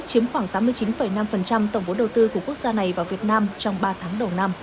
chiếm khoảng tám mươi chín năm tổng vốn đầu tư của quốc gia này vào việt nam trong ba tháng đầu năm